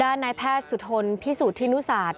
ด้านนายแพทย์สุทธนพิสูจน์ที่นุศาสตร์